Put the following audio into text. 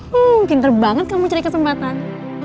hmm pinter banget kamu cari kesempatan